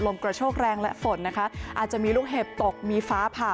กระโชกแรงและฝนนะคะอาจจะมีลูกเห็บตกมีฟ้าผ่า